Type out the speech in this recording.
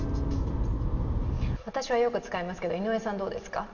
私はよく使いますけど、井上さんどうですか？